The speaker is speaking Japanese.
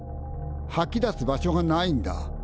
はき出す場所がないんだ。